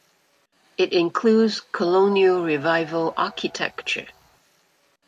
It includes Colonial Revival architecture.